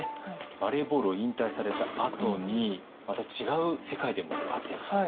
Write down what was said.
バレーボールを引退されたあとにまた違う世界でも活躍されて。